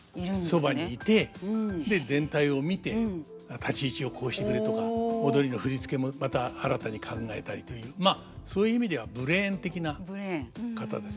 そばにいて全体を見て立ち位置をこうしてくれとか踊りの振り付けもまた新たに考えたりというまあそういう意味ではブレーン的な方ですね。